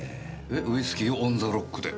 えウイスキーをオン・ザ・ロックで。